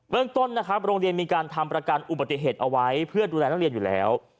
เรื่องต้นนะครับโรงเรียนมีการทำประกันอุบัติเหตุเอาไว้เพื่อดูแลนักเรียนอยู่แล้ว